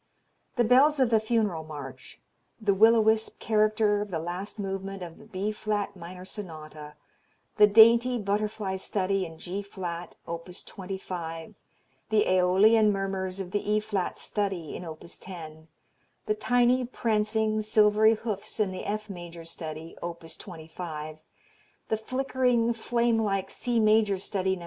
The bells of the Funeral March, the will o' wisp character of the last movement of the B flat minor Sonata, the dainty Butterfly Study in G flat, opus 25, the aeolian murmurs of the E flat Study, in opus 10, the tiny prancing silvery hoofs in the F major Study, opus 25, the flickering flame like C major Study No.